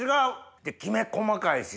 できめ細かいし。